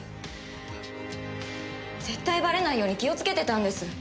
絶対ばれないように気をつけてたんです。